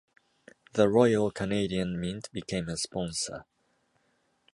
The Royal Canadian Mint became a sponsor.